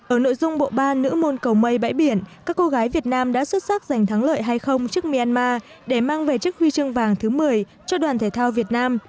ở nội dung bộ ba nữ môn cầu mây bãi biển các cô gái việt nam đã xuất sắc giành thắng lợi hay không trước myanmar để mang về chiếc huy chương vàng thứ một mươi cho đoàn thể thao việt nam